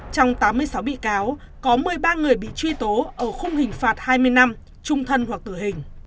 trong tám mươi sáu bị cáo có một mươi ba người bị truy tố ở khung hình phạt hai mươi năm trung thân hoặc tử hình